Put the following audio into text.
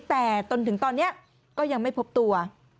แต่จนถึงตอนนี้ก็ยังไม่พบตัว